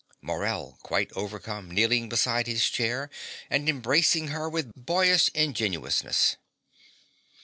MORELL (quite overcome, kneeling beside her chair and embracing her with boyish ingenuousness).